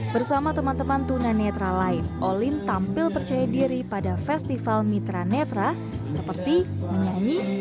bersama teman teman tunanetra lain olin tampil percaya diri pada festival mitra netra seperti menyanyi